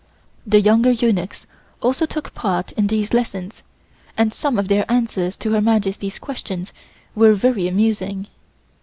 The younger eunuchs also took part in these lessons and some of their answers to Her Majesty's questions were very amusing.